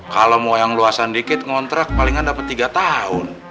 kalau mau yang luasan dikit ngontrak palingan dapat tiga tahun